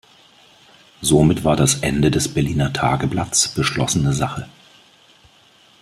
Somit war das Ende des "Berliner Tageblatts" beschlossene Sache.